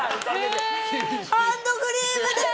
ハンドクリームです！